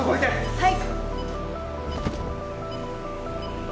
はい。